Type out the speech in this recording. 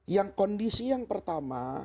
yang kondisi yang pertama